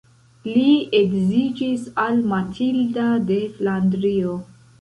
Li edziĝis al Matilda de Flandrio.